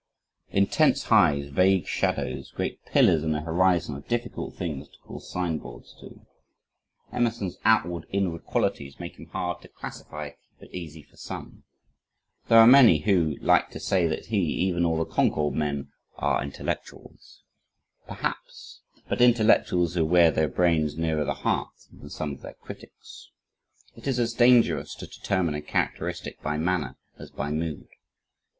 Intense lights vague shadows great pillars in a horizon are difficult things to nail signboards to. Emerson's outward inward qualities make him hard to classify, but easy for some. There are many who like to say that he even all the Concord men are intellectuals. Perhaps but intellectuals who wear their brains nearer the heart than some of their critics. It is as dangerous to determine a characteristic by manner as by mood.